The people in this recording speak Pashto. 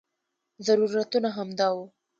ضرورتونه همدا وو.